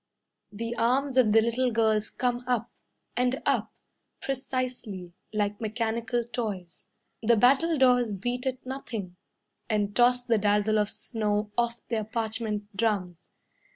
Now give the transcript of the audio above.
The arms of the little girls Come up and up Precisely, Like mechanical toys. The battledores beat at nothing, And toss the dazzle of snow Off their parchment drums.